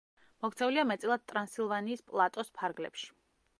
მოქცეულია მეტწილად ტრანსილვანიის პლატოს ფარგლებში.